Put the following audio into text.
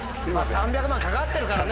３００万懸かってるからね。